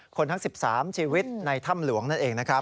ทั้ง๑๓ชีวิตในถ้ำหลวงนั่นเองนะครับ